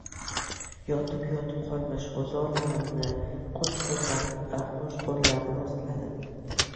Yotib-yotib qolmish g‘o‘zalarimni qo‘shqo‘llab-qo‘shqo‘llab rostladim.